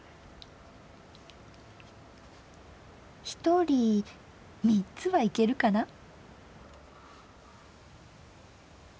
ひとり３つはいけるかな。